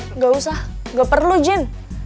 enggak usah gak perlu jin